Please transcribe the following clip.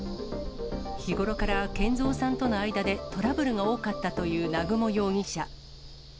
日頃から賢蔵さんとの間でトラブルが多かったという南雲容疑者。